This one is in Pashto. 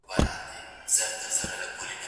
ایا څېړونکی باید د متن اصلي ټکی ومومي؟